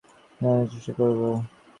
আমিও তোমার দেখাশোনার চেষ্টা করবো।